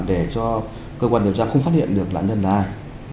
để cho cơ quan điều tra không phát hiện được nạn nhân là ai